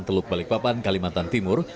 teluk balikpapan kalimantan timur